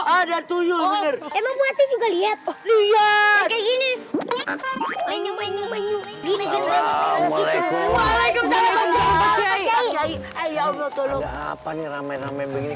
ada tuyul emang pasti juga lihat lihat kayak gini